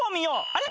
あれ？